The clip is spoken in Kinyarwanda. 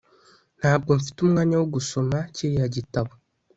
Ntabwo mfite umwanya wo gusoma kiriya gitabo